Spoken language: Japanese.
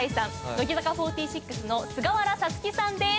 乃木坂４６の菅原咲月さんです。